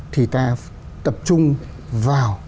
thì ta tập trung vào